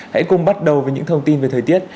hãy cùng bắt đầu với những thông tin về thời tiết